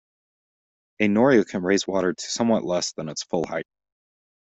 A noria can raise water to somewhat less than its full height.